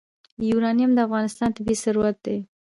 یورانیم د افغانستان طبعي ثروت دی.